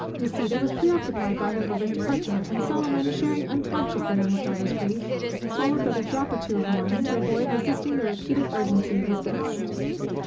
Nisida was preoccupied by her lover's departure, and Solomon, sharing unconsciously in his daughter's grief, swallowed but a drop or two of wine, to avoid resisting the repeated urgency of his guest.